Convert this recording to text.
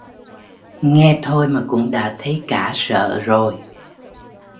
Nghe thôi mà cũng đã thấy cả sợ rồi